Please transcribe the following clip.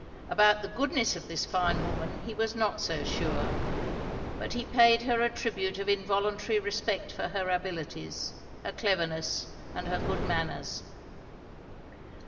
About the goodness of this fine woman he was not so sure; but he paid her a tribute of involuntary respect for her abilities, her cleverness, and her good manners.